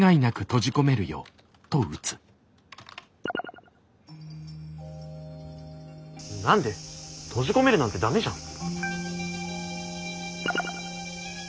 閉じ込めるなんてダメじゃん。